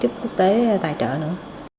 chúng ta sẽ không có tài trợ nữa